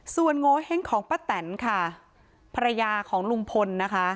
ส่วนโงเห้งของป้าแตนค่ะภรรยาของลุงพลนะคะ